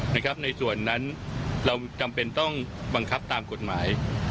ในส่วนนั้นเราจำเป็นต้องบังคับตามกฎหมาย